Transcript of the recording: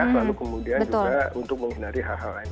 lalu kemudian juga untuk menghindari hal hal lain